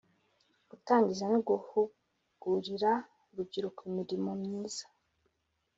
Gutangiza no guhugurira urubyiruko imirimo myiza